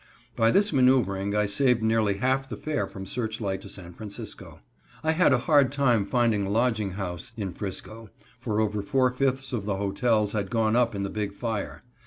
By this manoeuvering I saved nearly half the fare from Searchlight to San Francisco. I had a hard time finding a lodging house in 'Frisco, for over four fifths of the hotels had gone up in the big fire.